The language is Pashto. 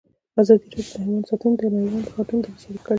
ازادي راډیو د حیوان ساتنه د نړیوالو نهادونو دریځ شریک کړی.